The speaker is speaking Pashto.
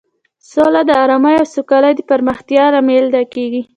سوله د ارامۍ او سوکالۍ د پراختیا لامل کیږي.